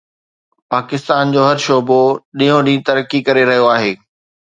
پاڪستان جو هر شعبو ڏينهون ڏينهن ترقي ڪري رهيو آهي